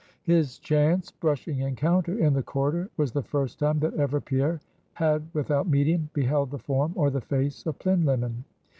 His chance brushing encounter in the corridor was the first time that ever Pierre had without medium beheld the form or the face of Plinlimmon.